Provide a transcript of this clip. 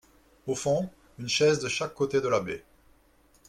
Au fond, une chaise de chaque côté de la baie.